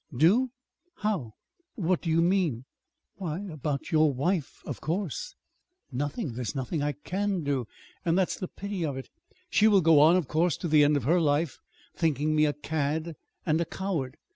"Do? How? What do you mean?" "Why, about your wife, of course." "Nothing. There's nothing I can do. And that's the pity of it. She will go on, of course, to the end of her life, thinking me a cad and a coward."